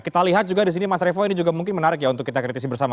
kita lihat juga di sini mas revo ini juga mungkin menarik ya untuk kita kritisi bersama